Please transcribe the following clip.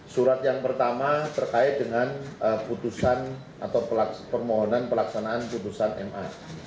surat yang pertama terkait dengan putusan atau permohonan pelaksanaan putusan ma